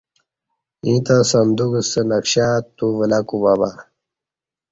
ییں تہ صندوق ستہ نقشہ تو ولہ کوبابا